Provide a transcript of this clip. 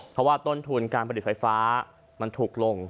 เพราะว่าต้นทุนการผลิตไฟฟ้ามันถูกลง